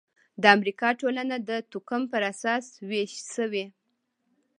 د امریکا ټولنه د توکم پر اساس وېش شوې.